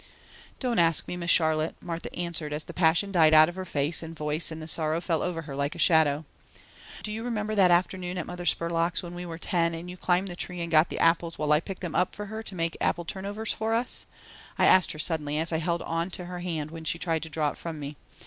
"Don't ask me, Miss Charlotte," Martha answered as the passion died out of her face and voice and the sorrow fell over her like a shadow. "Do you remember that afternoon at Mother Spurlock's when we were ten, and you climbed the tree and got the apples, while I picked them up for her to make apple turn overs for us?" I asked her suddenly as I held on to her hand when she tried to draw it from me.